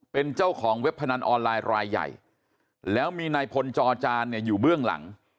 เป็นเจ้าของเว็บพนันออนไลน์รายใหญ่แล้วมีนายพลจอจานเนี่ยอยู่เบื้องหลัง